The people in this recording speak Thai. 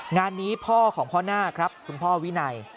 งานนี้พ่อของพ่อหน้าครับคุณพ่อวินัย